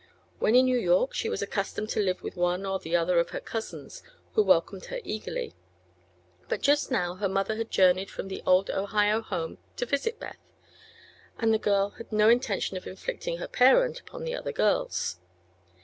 When in New York she was accustomed to live with one or the other of her cousins, who welcomed her eagerly. But just now her mother had journeyed from the old Ohio home to visit Beth, and the girl had no intention of inflicting her parent upon the other girls.